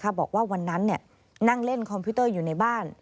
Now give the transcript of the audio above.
บอกว่าวันนั้นนั่งเล่นคอมพิวเตอร์อยู่ในบ้าน